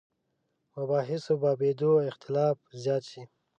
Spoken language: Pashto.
مباحثو بابېدو اختلاف زیات شي.